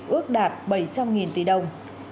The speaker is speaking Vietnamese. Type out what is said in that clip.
ước đạt bảy trăm linh nghìn tỷ đồng